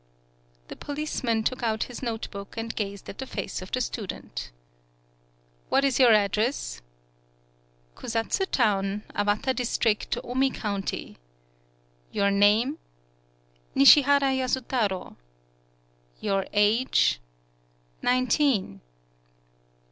The policeman took out his note book and gazed at the face of the student. "What is your address?" "Kusatsu town, Awata district, Omi county." "Your name?" "Nishihara Yasutaro." "Your age?" "Nineteen."